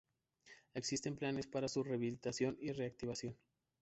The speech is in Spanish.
Existen planes para su revitalización y reactivación.